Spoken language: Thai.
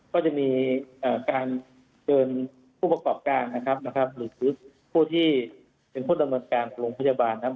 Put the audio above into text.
ก็จะมีการเชิญผู้ประกอบการนะครับนะครับหรือผู้ที่เป็นผู้ดำเนินการของโรงพยาบาลนะครับ